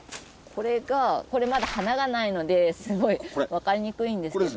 これがまだ花がないのですごい分かりにくいんですけど。